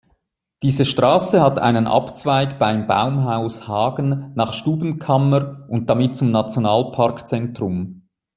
Diese Straße hat einen Abzweig beim Baumhaus Hagen nach Stubbenkammer und damit zum Nationalpark-Zentrum.